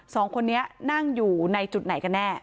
สองคนนี้นั่งอยู่ในจุดไหนกันแน่